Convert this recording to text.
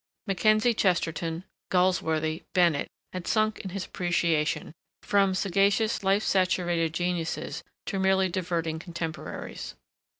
Mackenzie, Chesterton, Galsworthy, Bennett, had sunk in his appreciation from sagacious, life saturated geniuses to merely diverting contemporaries.